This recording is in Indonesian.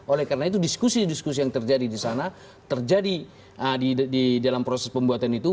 oleh karena itu diskusi diskusi yang terjadi di sana terjadi di dalam proses pembuatan itu